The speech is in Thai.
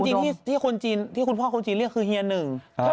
ชื่อจริงที่คุณพ่อคนจีนเรียกคือเฮียหนึ่ง